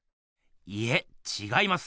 いえちがいます。